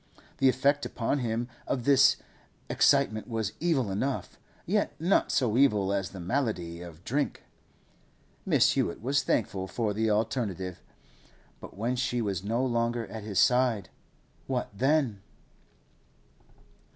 The effect upon him of this excitement was evil enough, yet not so evil as the malady of drink. Mrs. Hewett was thankful for the alternative. But when she was no longer at his side—what then?